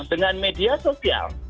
dengan media sosial